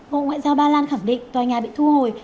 bộ ngoại giao ba lan khẳng định tòa nhà bị thu hồi